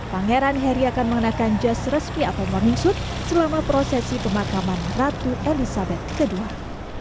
pangeran harry akan mengenakan jas resmi atau warning shoot selama prosesi pemakaman ratu elizabeth ii